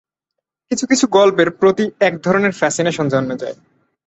কিছু-কিছু গল্পের প্রতি একধরনের ফ্যাসিনেশন জন্মে যায়।